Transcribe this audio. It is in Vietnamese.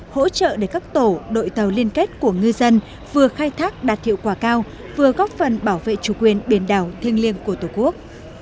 hỗ trợ để các tổ đội tàu liên kết của ngư dân vừa khai thác đạt hiệu quả cao vừa góp phần bảo vệ chủ quyền biển đảo thiêng liêng của tổ quốc